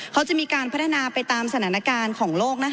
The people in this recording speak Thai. เขาจะมีการพัฒนาไปตามสถานการณ์ของโลก